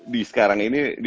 di sekarang ini